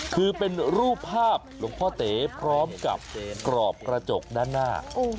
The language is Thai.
คือเป็นรูปภาพหลวงพ่อเต๋พร้อมกับกรอบกระจกด้านหน้า